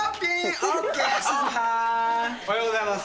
おはようございます。